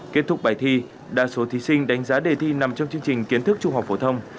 kết thúc bài thi đa số thí sinh đánh giá đề thi nằm trong chương trình kiến thức trung học phổ thông